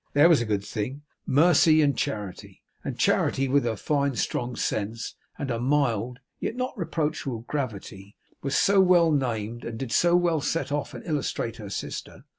There was a good thing! Mercy and Charity! And Charity, with her fine strong sense and her mild, yet not reproachful gravity, was so well named, and did so well set off and illustrate her sister!